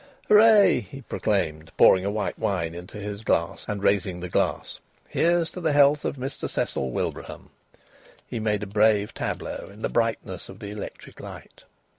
"Hooray!" he proclaimed, pouring a white wine into his glass and raising the glass: "here's to the health of Mr Cecil Wilbraham." He made a brave tableau in the brightness of the electric light.